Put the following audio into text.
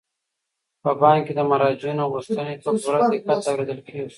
په بانک کې د مراجعینو غوښتنې په پوره دقت اوریدل کیږي.